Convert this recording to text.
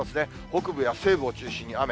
北部や西部を中心に雨。